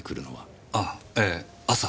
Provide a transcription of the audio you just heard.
あぁええ朝。